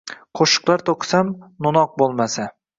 Qo’shiqlar to’qisam — no’noq bo’lmasa